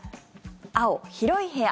青、広い部屋。